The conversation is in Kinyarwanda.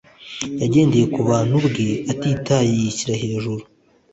Yagendeye ku buntu bwe atitaye yishyira hejuru